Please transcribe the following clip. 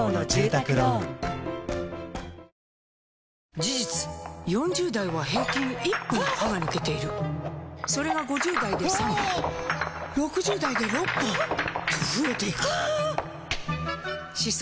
事実４０代は平均１本歯が抜けているそれが５０代で３本６０代で６本と増えていく歯槽